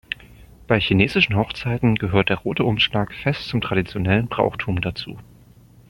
Bei chinesischen Hochzeiten gehört der rote Umschlag fest zum traditionellen Brauchtum dazu.